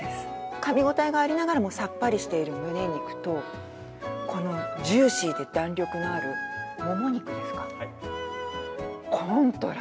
かみ応えがありながらもさっぱりとしているむね肉とこのジューシーで弾力のあるもも肉。